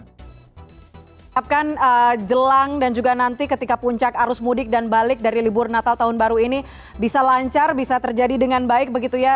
kita akan jelang dan juga nanti ketika puncak arus mudik dan balik dari libur natal tahun baru ini bisa lancar bisa terjadi dengan baik begitu ya